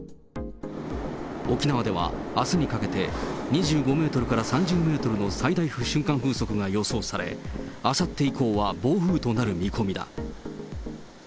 沖縄ではあすにかけて、２５メートルから３０メートルの最大瞬間風速が予想され、あさって以降は暴風となる見込みだ。